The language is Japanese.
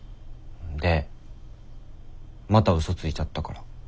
でまた嘘ついちゃったから。